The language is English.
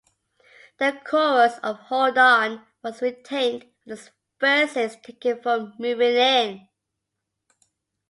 The chorus of "Hold On" was retained with its verses taken from "Moving In".